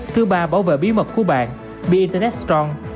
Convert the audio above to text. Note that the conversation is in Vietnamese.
thứ ba bảo vệ bí mật của bạn be internet strong